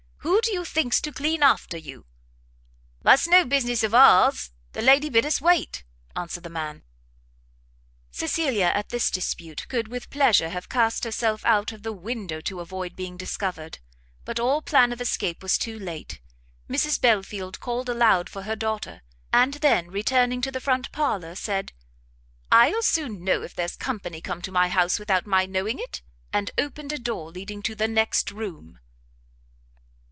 Who do you think's to clean after you?" "That's no business of ours; the lady bid us wait," answered the man. Cecilia at this dispute could with pleasure have cast herself out of the window to avoid being discovered; but all plan of escape was too late; Mrs Belfield called aloud for her daughter, and then, returning to the front parlour, said, "I'll soon know if there's company come to my house without my knowing it!" and opened a door leading to the next room!